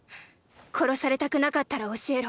殺されたくなかったら教えろ。